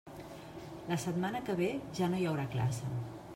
La setmana que ve ja no hi haurà classe.